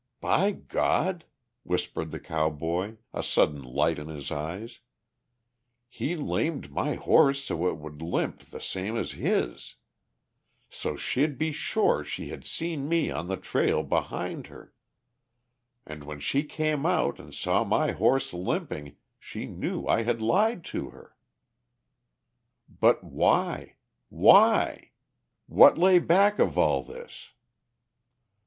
"By God!" whispered the cowboy, a sudden light in his eyes, "he lamed my horse so it would limp the same as his! So she'd be sure she had seen me on the trail behind her! And when she came out and saw my horse limping she knew I had lied to her!" But why? Why? What lay back of all this?